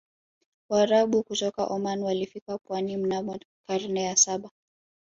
waarabu kutoka oman walifika pwani mnamo karne ya saba